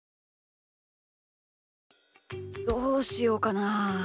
どうしようかなあ。